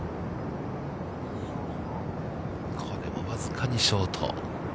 これも僅かにショート。